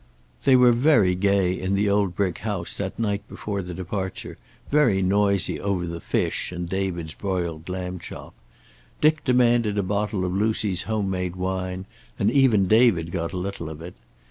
They were very gay in the old brick house that night before the departure, very noisy over the fish and David's broiled lamb chop. Dick demanded a bottle of Lucy's home made wine, and even David got a little of it.